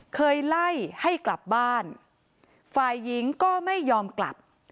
เคยไล่ให้กลับบ้านฝ่ายหญิงก็ไม่ยอมกลับ